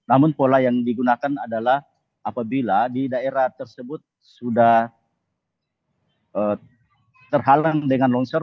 namun pola yang digunakan adalah apabila di daerah tersebut sudah terhalang dengan longsor